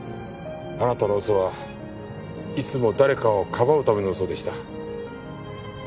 あなたの嘘はいつも誰かをかばうための嘘でした。